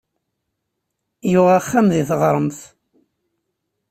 Yuɣ axxam deg taɣremt.